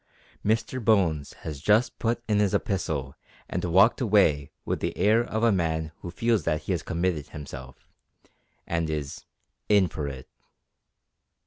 Mr Bones has just put in his epistle and walked away with the air of a man who feels that he has committed himself, and is "in for it."